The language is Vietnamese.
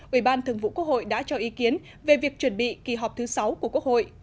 ủy ban thường vụ quốc hội đã cho ý kiến về việc chuẩn bị kỳ họp thứ sáu của quốc hội